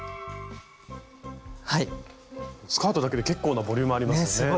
スカートだけで結構なボリュームありますね。ね。